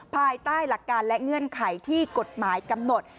ภายใต้หลักการและเงื่อนไขที่กฎหมายกำหนด